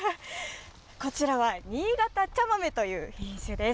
こちらは新潟茶豆という品種です。